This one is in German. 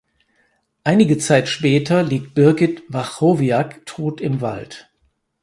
Einige Zeit später liegt Birgit Wachowiak tot im Wald.